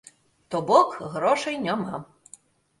То бок, грошай няма.